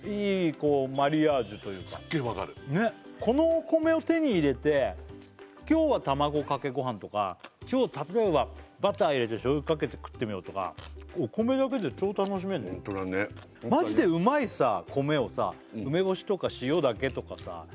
こうマリアージュというかすっげえ分かるねっこのお米を手に入れて今日は卵かけご飯とか今日例えばバター入れて醤油かけて食ってみようとかお米だけで超楽しめるねホントだねマジでうまいよね